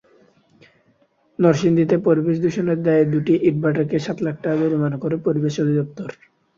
নরসিংদীতে পরিবেশ দূষণের দায়ে দুটি ইটভাটাকে সাত লাখ টাকা জরিমানা করে পরিবেশ অধিদপ্তর।